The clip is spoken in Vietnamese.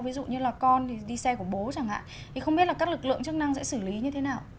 ví dụ như là con thì đi xe của bố chẳng hạn thì không biết là các lực lượng chức năng sẽ xử lý như thế nào